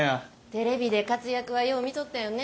テレビで活躍はよう見とったよね。